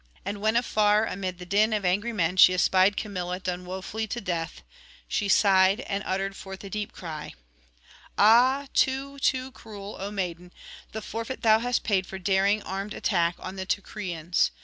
And when afar amid the din of angry men she espied Camilla done woefully to death, she sighed and uttered forth a deep cry: 'Ah too, too cruel, O maiden, the forfeit thou hast paid for daring armed attack on the Teucrians!